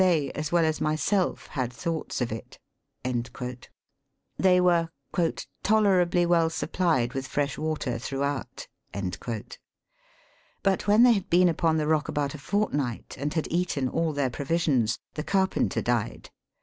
cy, as well as myself, had thoughts of it." They were "tolerably well supplied with fresh water throughout." But, when they had l)cen upon the rock about a fortnight, and k»d eaten all their provisions, the carpenter died.